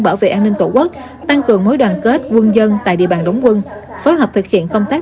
bảo vệ an ninh tổ quốc tăng cường mối đoàn kết quân dân tại địa bàn đóng quân phối hợp thực hiện công tác